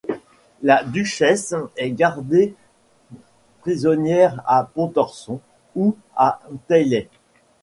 La duchesse est gardée prisonnière à Pontorson ou à Teillay.